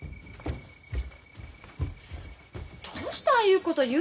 どうしてああいうこと言うのよ